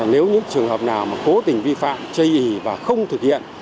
nếu những trường hợp nào mà cố tình vi phạm chây ý và không thực hiện